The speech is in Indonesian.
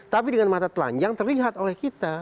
tapi dengan mata telanjang terlihat oleh kita